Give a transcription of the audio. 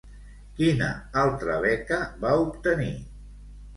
Quina altra beca va obtenir?